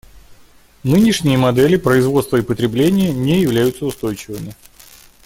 Нынешние модели производства и потребления не являются устойчивыми.